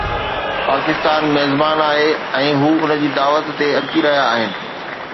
پاڪستان ميزبان آهي ۽ هو ان جي دعوت تي اچي رهيا آهن.